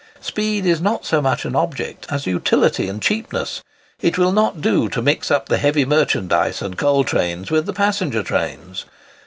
Speed is not so much an object as utility and cheapness. It will not do to mix up the heavy merchandise and coal trains with the passenger trains.